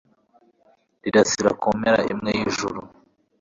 Rirasira ku mpera imwe y’ijuru